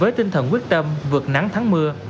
với tinh thần quyết tâm vượt nắng thắng mưa